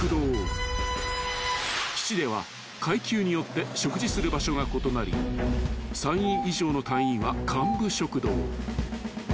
［基地では階級によって食事する場所が異なり３尉以上の隊員は幹部食堂